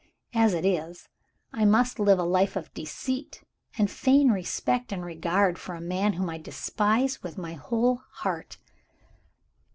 As it is, I must live a life of deceit, and feign respect and regard for a man whom I despise with my whole heart.